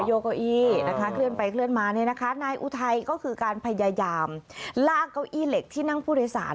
โยเก้าอี้นะคะเคลื่อนไปเคลื่อนมาเนี่ยนะคะนายอุทัยก็คือการพยายามลากเก้าอี้เหล็กที่นั่งผู้โดยสาร